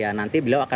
mas ini tadi tadi